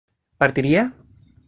¿partiría?